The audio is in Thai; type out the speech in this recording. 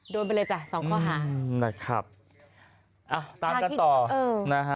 โดนไปเลยจ้ะสองข้อหานะครับอ่ะตามกันต่อนะฮะ